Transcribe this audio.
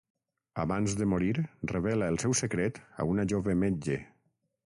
Abans de morir, revela el seu secret a una jove metge.